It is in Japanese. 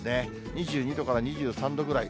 ２２度から２３度ぐらい。